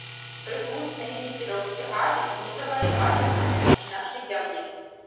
Прыблудныя гітлераўскія гады не заваявалі нас і нашай зямлі.